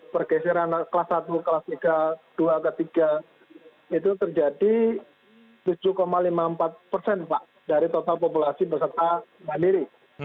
pergeseran kelas satu kelas tiga dua ke tiga itu terjadi tujuh lima puluh empat persen pak dari total populasi peserta mandiri